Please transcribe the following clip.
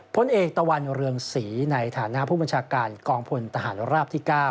พลเอกตะวันเรืองศรีในฐานะผู้บัญชาการกองพลทหารราบที่๙